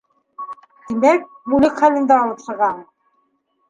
Тимәк, үлек хәлендә алып сығаһың.